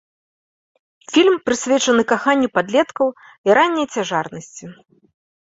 Фільм прысвечаны каханню падлеткаў і ранняй цяжарнасці.